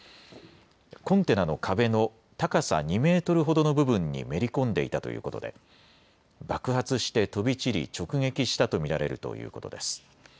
コンテナの壁の高さ２メートルほどの部分にめり込んでいたということで爆発して飛び散り直撃したと見られるということです。